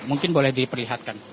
mungkin boleh diperlihatkan